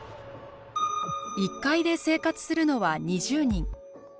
１階で生活するのは２０人。